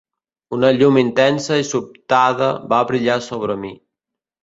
Una llum intensa i sobtada va brillar sobre mi.